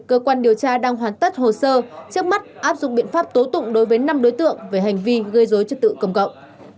cơ quan điều tra đang hoàn tất hồ sơ trước mắt áp dụng biện pháp tụng đối với năm đối tượng về hành vi gây ảnh hưởng xấu đến dư luận xã hội